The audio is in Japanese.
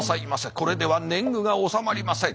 これでは年貢が納まりません。